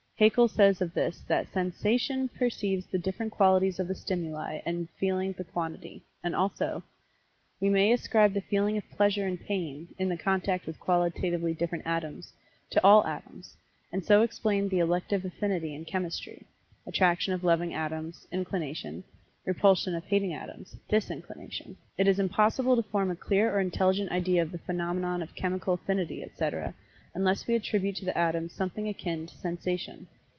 Haeckel says of this that "Sensation perceives the different qualities of the stimuli, and feeling the quantity," and also, "We may ascribe the feeling of pleasure and pain (in the contact with qualitatively differing atoms) to all atoms, and so explain the elective affinity in chemistry (attraction of loving atoms, inclination; repulsion of hating atoms, disinclination)." It is impossible to form a clear or intelligent idea of the phenomenon of chemical affinity, etc., unless we attribute to the Atoms something akin to Sensation.